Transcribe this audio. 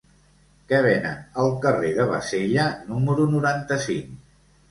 Què venen al carrer de Bassella número noranta-cinc?